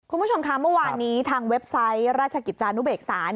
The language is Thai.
คุณผู้ชมค่ะเมื่อวานนี้ทางเว็บไซต์ราชกิจจานุเบกษา